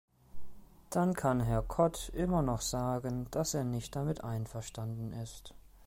Dann kann Herr Cot immer noch sagen, dass er nicht damit einverstanden ist.